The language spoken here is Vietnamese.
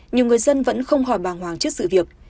nhiều người dân vẫn không hỏi bàng hoàng trước sự việc